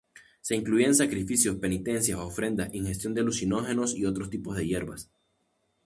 Se incluía en sacrificios, penitencias, ofrendas, ingestión de alucinógenos y otros tipos de hierbas.